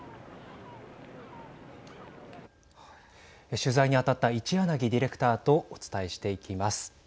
取材に当たった一柳ディレクターとお伝えしていきます。